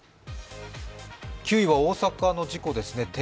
９位は大阪の事故ですね。